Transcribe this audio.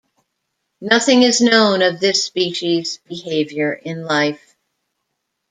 Nothing is known of this species' behavior in life.